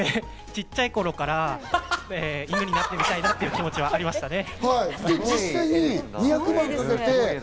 小っちゃいころから犬になってみたいなっていう気持ちはありましたね。